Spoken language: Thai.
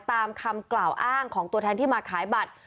ตามคำกล่าวอ้างของตัวแทนที่มาขายบัตร